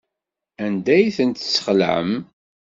Anda ay tent-tesxelɛem?